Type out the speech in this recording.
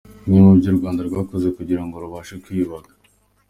Bimwe mu byo u Rwanda rwakoze kugira ngo rubashe kwiyubaka.